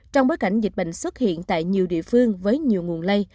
trong bối cảnh dịch bệnh xuất hiện tại nhiều địa phương với nhiều nguồn lây